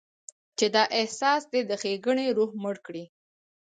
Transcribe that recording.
چې دا احساس دې د ښېګڼې روح مړ کړي.